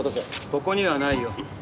ここにはないよ。